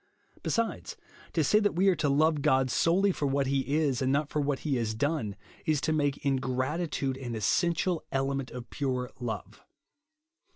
Besides, to say that we are to lovo God solely for what he is, and not for what he has done, is to make ingratitude an essential element of pure love.